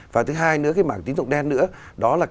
và thứ hai nữa là cái mảng tiến dụng đen nữa